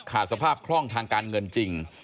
สภาพคล่องทางการเงินจริง